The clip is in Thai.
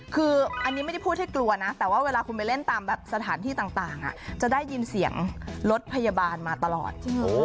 คืออันนี้ไม่ได้พูดให้กลัวนะแต่ว่าเวลาคุณไปเล่นตามแบบสถานที่ต่างจะได้ยินเสียงรถพยาบาลมาตลอด